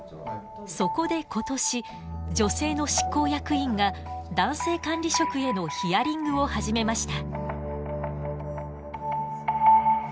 そこで今年女性の執行役員が男性管理職へのヒアリングを始めました。